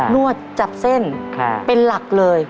วดจับเส้นเป็นหลักเลย